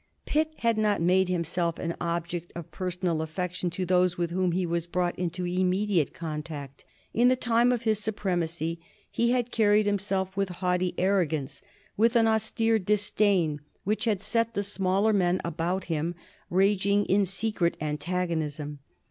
Pitt had not made himself an object of personal affection to those with whom he was brought into immediate contact. In the time of his supremacy he had carried himself with a haughty arrogance, with an austere disdain which had set the smaller men about him raging in secret antagonism.